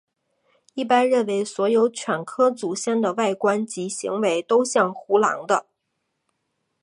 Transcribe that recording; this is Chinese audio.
一般认为所有犬科祖先的外观及行为都像胡狼的。